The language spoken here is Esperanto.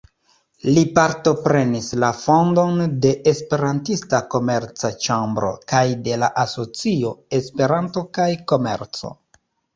Li partoprenis la fondon de "Esperantista Komerc-ĉambro" kaj de la asocio "Esperanto kaj komerco".